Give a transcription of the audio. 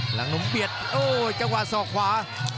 หลังหนุ่มเบียดโอ้จังหวะสอกขวา